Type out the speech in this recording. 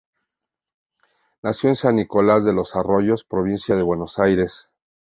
Nació en San Nicolás de los Arroyos, provincia de Buenos Aires.